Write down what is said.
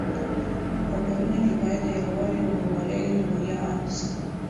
په ټولنه کې باید د یووالي او ورورولۍ روحیه عامه سي.